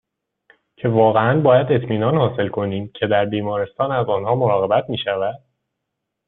که واقعاً باید اطمینان حاصل کنیم که در بیمارستان از آنها مراقبت میشود